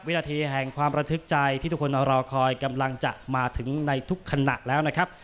วินาทีแห่งความระทึกใจที่ทุกคนรอคอยกำลังจะมาถึงในทุกขณะแล้วนะครับ